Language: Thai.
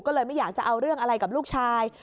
ก็เลยไม่อยากจะเอาเรื่องอะไรกับลูกชาย